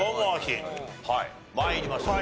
参りましょう。